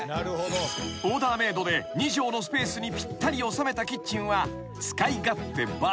［オーダーメードで２畳のスペースにぴったり収めたキッチンは］